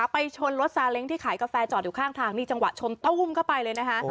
ไปชนรถซาเล้งที่ขายกาแฟจอดอยู่ข้างทางจังหวะชนก็ไปเลย